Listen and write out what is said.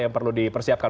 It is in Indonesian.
yang perlu dipersiapkan